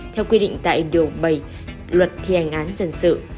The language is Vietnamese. theo quy định tại điều bảy luật thi hành án dân sự